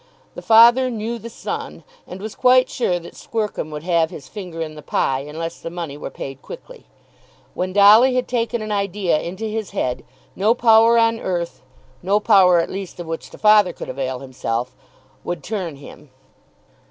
The father knew the son, and was quite sure that Squercum would have his finger in the pie unless the money were paid quickly. When Dolly had taken an idea into his head, no power on earth, no power at least of which the father could avail himself, would turn him.